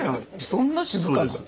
そんな静かなん？